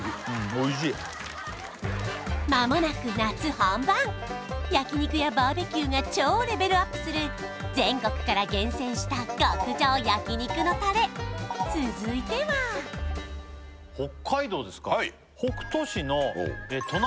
おいしい間もなく夏本番焼肉やバーベキューが超レベルアップする全国から厳選した極上焼肉のタレ続いてはにら